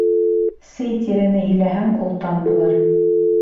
Сей тирене иләһәң, олтан булыр